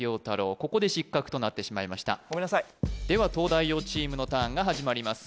ここで失格となってしまいましたごめんなさいでは東大王チームのターンが始まります